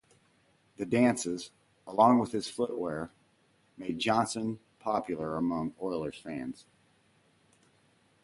The dances, along with his footwear, made Johnson popular among Oilers fans.